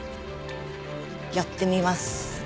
やってみます。